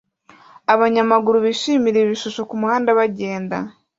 Abanyamaguru bishimira ibishusho kumuhanda bagenda